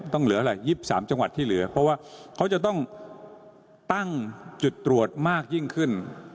เหลืออะไร๒๓จังหวัดที่เหลือเพราะว่าเขาจะต้องตั้งจุดตรวจมากยิ่งขึ้น